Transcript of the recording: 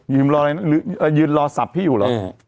ยืนรออะไรยืนรอสับพี่อยู่หรอ